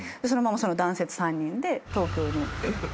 そのまま男性と３人で東京に行って。